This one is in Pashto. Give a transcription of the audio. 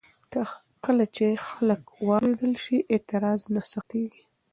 کله چې خلک واورېدل شي، اعتراض نه سختېږي.